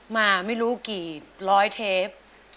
มาไม่รู้กี่ร้อยเทป